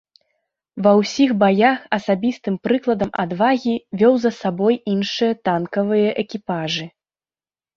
Ва ўсіх баях асабістым прыкладам адвагі вёў за сабой іншыя танкавыя экіпажы.